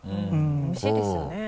おいしいですよね。